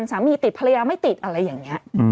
สามีติดภรรยาไม่ติดอะไรอย่างนี้